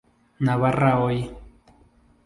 Navarra Hoy.